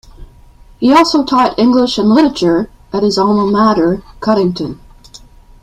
He also taught English and Literature at his alma mater, Cuttington.